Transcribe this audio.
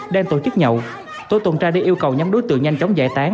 đang tổ chức nhậu tổ tuần tra đã yêu cầu nhóm đối tượng nhanh chóng giải tán